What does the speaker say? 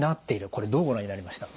これどうご覧になりました？